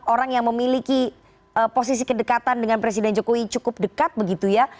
orang yang memiliki posisi kedekatan dengan presiden jokowi cukup dekat begitu ya